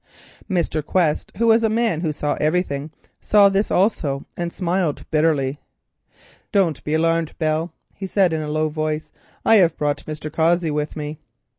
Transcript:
Mr. Quest, who was a man who saw everything, saw this also, and smiled bitterly. "Don't be alarmed, Belle," he said in a low voice; "I have brought Mr. Cossey with me."